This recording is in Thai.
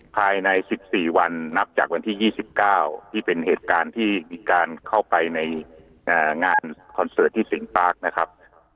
ภายใน๑๔วันนับจากวันที่๒๙ที่เป็นเหตุการณ์ที่มีการเข้าไปในงานคอนเสิร์ตที่สิงปาร์คนะครับ